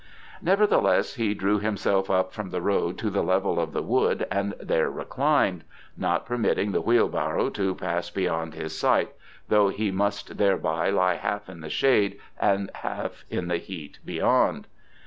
Nevertheless he drew himself up from the road to the level of the wood and there reclined, yet not permitting the wheel barrow to pass beyond his sight, though he must thereby lie half in the shade and half in the heat beyond.